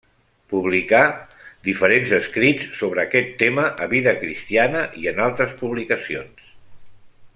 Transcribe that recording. Publicà diferents escrits sobre aquest tema a Vida Cristiana i en altres publicacions.